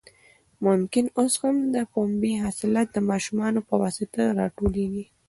ممکن اوس هم د پنبې حاصلات د ماشومانو په واسطه راټولېږي.